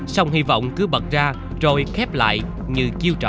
xong hy vọng cứ bật ra rồi khép lại như kiêu trò